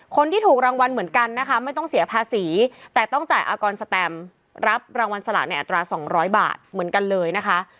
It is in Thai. คนที่ถูกรางวัลเหมือนกันนะคะไม่ต้องเสียภาษีแต่ต้องจ่ายอากรสแตมรับรางวัลสลากในอัตรา๒๐๐บาทเหมือนกันเลยนะคะ